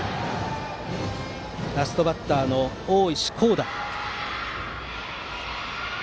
ラストバッター、大石広那。